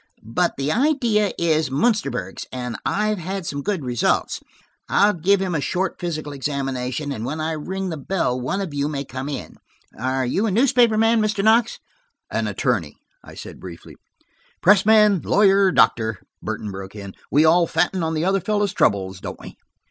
But the idea is Munsterburg's and I've had some good results. I'll give him a short physical examination, and when I ring the bell one of you may come in. Are you a newspaper man, Mr. Knox?" "An attorney," I said briefly. "Press man, lawyer, or doctor," Burton broke in, "we all fatten on the other fellow's troubles, don't we?"